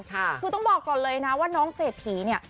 คือต้องบอกก่อนเลยนะว่าน้องเศรษฐีเนี่ย